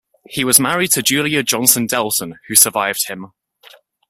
He was married to Julia Johnson Dalton, who survived him.